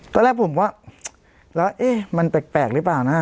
ตอนแรกผมก็แล้วเอ๊ะมันแปลกหรือเปล่านะ